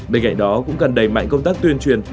bên cạnh đó cũng cần đẩy mạnh công tác tuyên truyền